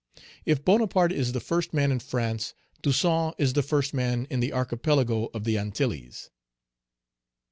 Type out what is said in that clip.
If Bonaparte is the first man in France, Toussaint is the first man in the Archipelago of the Antilles."